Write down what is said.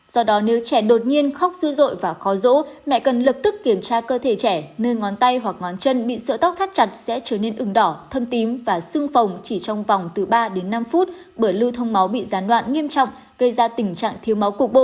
do đó nếu trẻ đột nhiên khóc dư dội và khó rỗ lại cần lập tức kiểm tra cơ thể trẻ nơi ngón tay hoặc ngón chân bị sữa tóc thắt chặt sẽ trở nên ừng đỏ thâm tím và sưng phòng chỉ trong vòng từ ba đến năm phút bởi lưu thông máu bị gián đoạn nghiêm trọng gây ra tình trạng thiếu máu cục bộ